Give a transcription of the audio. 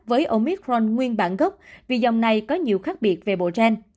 với omicron nguyên bản gốc vì dòng này có nhiều khác biệt về bộ gen